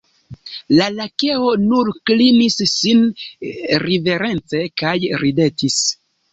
La Lakeo nur klinis sin riverence kaj ridetis.